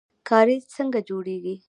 کاریز څنګه جوړیږي؟